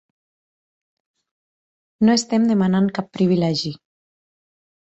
No estem demanant cap privilegi.